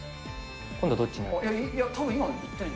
今度、どっちにある？